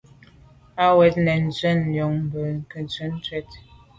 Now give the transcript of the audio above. Á wʉ́ Wàtɛ̀ɛ́t nɔ́ɔ̀ nswɛ́ɛ̀n nyɔ̌ŋ bā ngə́tú’ cwɛ̀t.